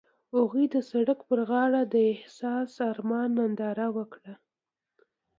هغوی د سړک پر غاړه د حساس آرمان ننداره وکړه.